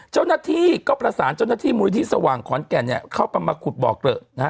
เจ้าหน้าที่ก็ประสานเจ้าหน้าที่มูลนิธิสว่างขอนแก่นเนี่ยเข้ามาขุดบอกเหลือนะฮะ